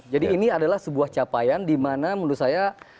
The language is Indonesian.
jadi ini adalah sebuah capaian di mana menurut saya